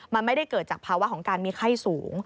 มันไม่ได้เกิดจากภาวะของการมีไข้สูง